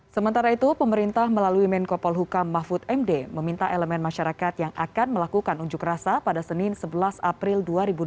sementara itu pemerintah melalui menko polhukam mahfud md meminta elemen masyarakat yang akan melakukan unjuk rasa pada senin sebelas april dua ribu dua puluh